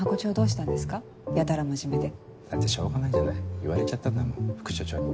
言われちゃったんだもん副署長に。